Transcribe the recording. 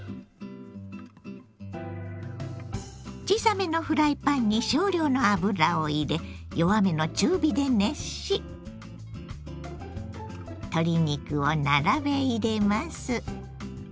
小さめのフライパンに少量の油を入れ弱めの中火で熱し鶏肉を並べ入れます。